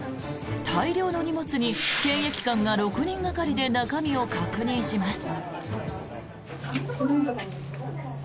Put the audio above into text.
大量の荷物に検疫官が６人がかりで中身を確認します。